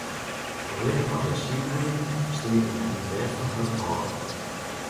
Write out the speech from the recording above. Allinnich as hja siik wiene, sliepten hja yn it bêd fan harren âlden.